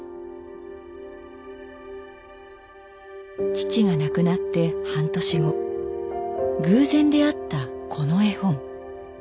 父が亡くなって半年後偶然出会ったこの絵本。